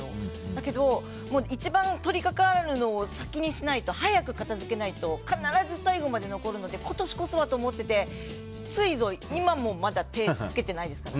だけど、一番取り掛かるのを先にしないと、早く片付けないと必ず最後まで残るので今年こそはと思っててついぞ、今もまだ手を付けてないです。